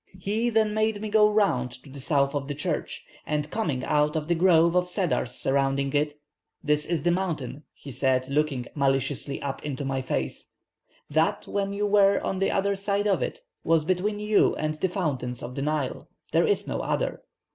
He then made me go round to the south of the church, and coming out of the grove of cedars surrounding it, 'This is the mountain,' he said, looking maliciously up into my face, 'that when you were on the other side of it, was between you and the fountains of the Nile; there is no other.